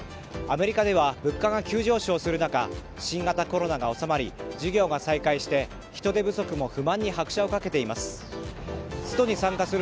アメリカでは物価が急上昇する中新型コロナが収まり授業が再開して、人手不足も不満に拍車を掛けています。